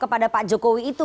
kepada pak jokowi itu